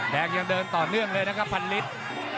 แดงยังเดินต่อเนื่องเลยนะครับพันลิตร